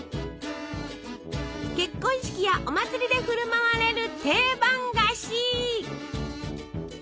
結婚式やお祭りで振る舞われる定番菓子！